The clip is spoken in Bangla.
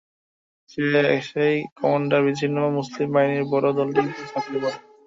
সে এসেই কমান্ডার-বিচ্ছিন্ন মুসলিম বাহিনীর বড় দলটির উপর ঝাঁপিয়ে পড়ে।